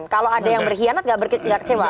kalau ada yang berkhianat nggak kecewa